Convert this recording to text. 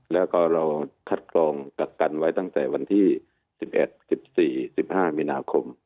แล้วก็เราคัดกรองกักกันไว้ตั้งแต่วันที่๑๑๑๔๑๕มีนาคม